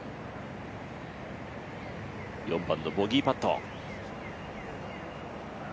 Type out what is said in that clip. ４番のボギーパット。